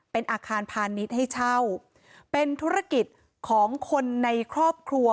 เป็นอาคารพาณิชย์ให้เช่าเป็นธุรกิจของคนในครอบครัว